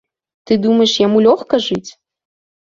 Ты думаеш, яму лёгка жыць?